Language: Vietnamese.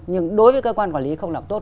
nhưng đối với cơ quan quản lý không làm tốt